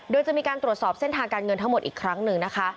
โดยจะมีการตรวจสอบเส้นทางการเงินทั้งหมดอีกครั้งหนึ่งนะคะ